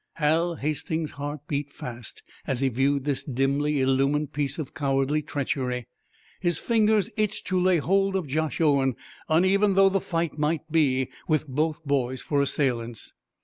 Hal Hastings's heart beat fast as he viewed this dimly illumined piece of cowardly treachery. His fingers itched to lay hold of Josh Owen, uneven though the fight might be with both boys for assailants.